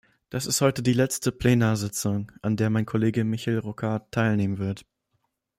Das ist heute die letzte Plenarsitzung, an der mein Kollege Michel Rocard teilnehmen wird.